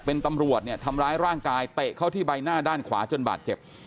เป็นตำรวจเนี่ยทำร้ายร่างกายเตะเข้าที่ใบหน้าด้านขวาจนบาดเจ็บ